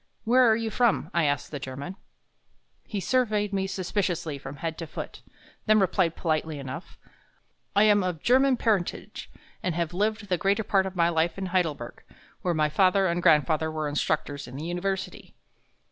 "Where are you from?" I asked the German. He surveyed me suspiciously from head to foot, then replied politely enough: "I am of German parentage and have lived the greater part of my life in Heidelberg, where my father and grandfather were instructors in the University."